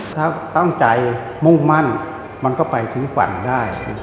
ถ้าตั้งใจมุ่งมั่นมันก็ไปถึงฝันได้